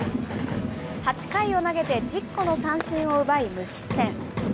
８回を投げて１０個の三振を奪い、無失点。